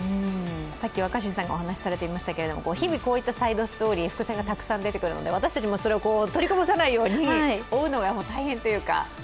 さっき若新さんがお話しされていましたけれども、日々サイドストーリー伏線がたくさん出てくるので、私たちも取りこぼさないように追うのが大変というか。